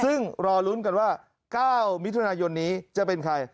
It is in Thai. ซึ่งรอลุ้นกันว่า๙มิถุนายนนี้จะเป็นใคร